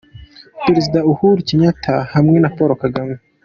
Perezida Uhuru Kenyatta hamwe na Paul Kagame.